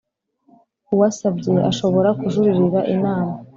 uwasabye ashobora kujuririra Inama